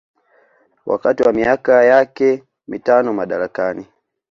wakati wa miaka yake mitano madarakani